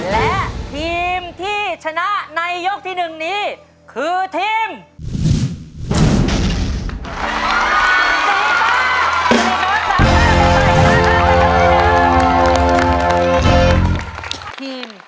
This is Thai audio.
และทีมที่ชนะในยกที่๑นี้คือทีม